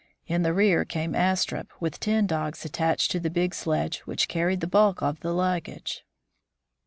In the rear came Astrup, with ten dogs attached to the big sledge which carried the bulk of the luggage.